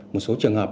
một số trường hợp